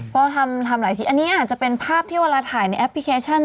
ก็ทำหลายทีอันนี้อาจจะเป็นภาพที่เวลาถ่ายในแอปพลิเคชัน